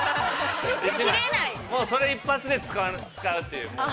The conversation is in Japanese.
◆それ一発で使うという。